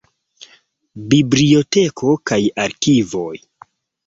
Biblioteko kaj arkivoj.